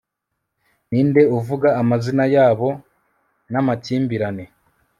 Ninde uvanga amazina yabo namakimbirane